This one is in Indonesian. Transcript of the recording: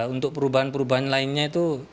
untuk perubahan perubahan lainnya itu